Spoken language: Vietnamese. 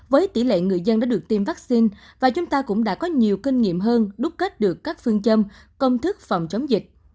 với tỷ lệ người dân đã được tiêm vaccine và chúng ta cũng đã có nhiều kinh nghiệm hơn đúc kết được các phương châm công thức phòng chống dịch